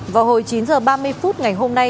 vào hồi chín h ba mươi phút ngày hôm nay